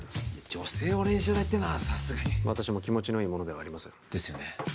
女性を練習台っていうのはさすがに私も気持ちのいいものではありませんですよね